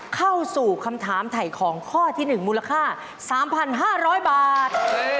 เข้าสู่คำถามถ่ายของข้อที่๑มูลค่า๓๕๐๐บาท